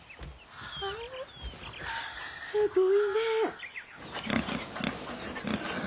すごいねえ。